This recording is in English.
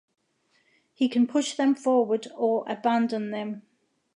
He can push them forward, or abandon them.